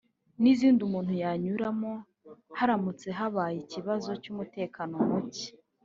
n’izindi umuntu yanyuramo haramutse habaye ikibazo cy’umutekano muke